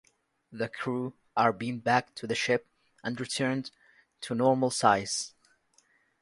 The crew are beamed back to the ship and return to normal size.